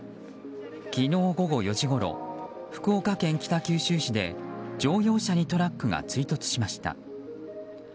昨日午後４時ごろ福岡県北九州市で乗用車にトラックが追突しました。